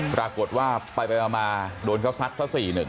ปรากฏว่าไปไปมาโดนเขาซัดซะ๔๑